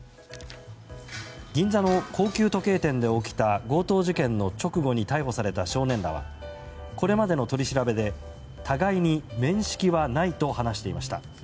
銀座の高級時計店で起きた強盗事件の直後に逮捕された少年らはこれまでの取り調べで互いに面識はないと話していました。